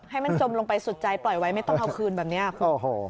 ให้มันจมลงไปสุดใจปล่อยไว้ไม่ต้องเอาคืนแบบนี้คุณ